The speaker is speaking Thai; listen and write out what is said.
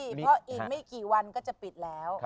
เพราะอีกไม่กี่วันก็จะปิดแล้ว